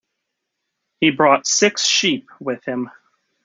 He brought six sheep with him.